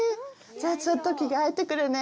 じゃあ、ちょっと着がえてくるね。